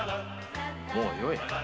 もうよい。